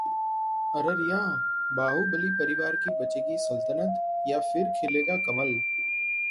अररिया: बाहुबली परिवार की बचेगी सल्तनत या फिर खिलेगा कमल?